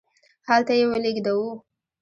هلته یې ولیږدوو.